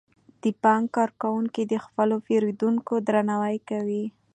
د بانک کارکوونکي د خپلو پیرودونکو درناوی کوي.